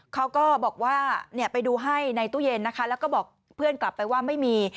เขาก็บอกว่าไปดูให้ในตู้เย็นนะคะแล้วก็บอกเพื่อนกลับไปว่าไม่มี